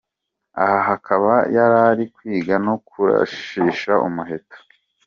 Aha akaba yarari kwiga no kurashisha Umuheto.